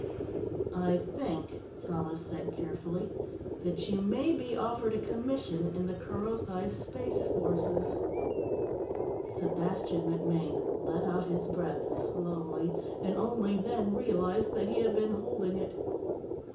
"I think," Tallis said carefully, "that you may be offered a commission in the Kerothi Space Forces." Sebastian MacMaine let out his breath slowly, and only then realized that he had been holding it.